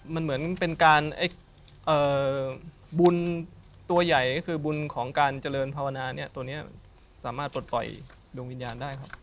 มันเหมือนเป็นการบุญตัวใหญ่ก็คือบุญของการเจริญภาวนาเนี่ยตัวนี้สามารถปลดปล่อยดวงวิญญาณได้ครับ